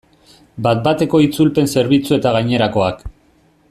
Bat-bateko itzulpen zerbitzu eta gainerakoak.